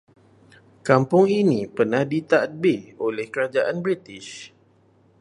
Kampung ini pernah ditadbir oleh kerajaan british